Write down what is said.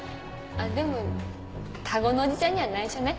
でも多胡のおじちゃんには内緒ね